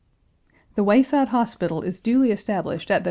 The Wayside Hospital2 is duly established at the 1.